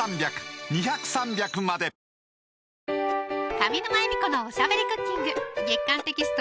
上沼恵美子のおしゃべりクッキング月刊テキスト